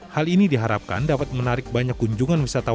hal ini diharapkan dapat menarik banyak kunjungan wisata tersebut